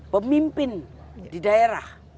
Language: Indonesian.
pemimpin di daerah